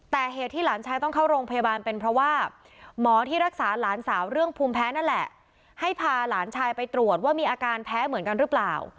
แต่เหตุที่หลานชายต้องเข้าโรงพยาบาลเป็นเพราะว่าหมอที่รักษาหลานสาวเรื่องภูมิแพ้นั่นแหละให้พาหลานชายไปตรวจว่ามีอาการแพ้เหมือนกันหรือเปล่า